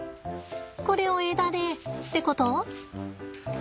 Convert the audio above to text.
これを枝でってこと？